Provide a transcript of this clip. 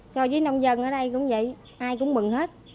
so với nông dân ở đây cũng vậy ai cũng mừng hết